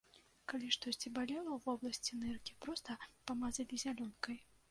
Калі штосьці балела ў вобласці ныркі, проста памазалі зялёнкай.